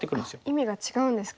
意味が違うんですか。